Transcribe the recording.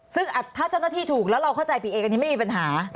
ซึ่งถ้าเจ้าหน้าที่ถูกแล้วเราเข้าใจผิดเองอันนี้ไม่มีปัญหา